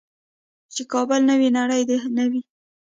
چې کابل نه وي نړۍ دې نه وي.